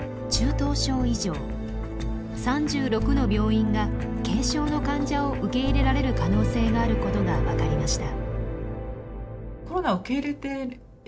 以上３６の病院が軽症の患者を受け入れられる可能性があることが分かりました。